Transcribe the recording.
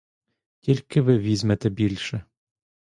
Тільки ви візьмете більше.